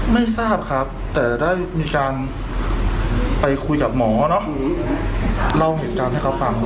เล่าเหตุการณ์ให้เขาฟัง